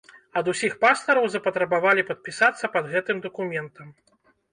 Ад усіх пастараў запатрабавалі падпісацца пад гэтым дакументам.